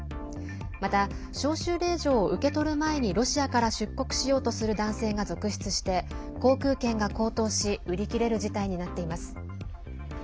また、召集令状を受け取る前にロシアから出国しようとする男性が続出して航空券が高騰し売り切れる事態になっています。